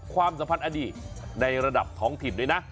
ความสัมพันธ์อดีตในระดับท้องถิ่นด้วยนะ